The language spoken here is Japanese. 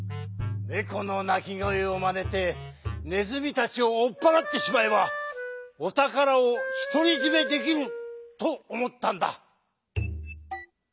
ねこのなきごえをまねてねずみたちをおっぱらってしまえばおたからをひとりじめできるとおもったんだ。